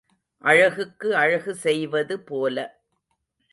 அழகுக்கு அழகு செய்வது போல.